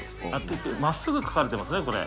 まっすぐ書かれてますね、これ。